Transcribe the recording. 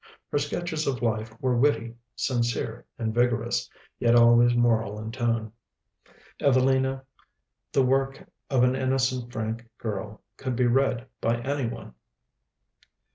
Her sketches of life were witty, sincere, and vigorous, yet always moral in tone. 'Evelina,' the work of an innocent, frank girl, could be read by any one.